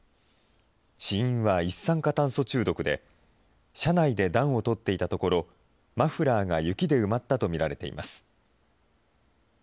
死因は一酸化炭素中毒で、車内で暖をとっていたところ、マフラーが雪で埋まったと見られています。